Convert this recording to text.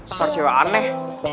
susah cewek aneh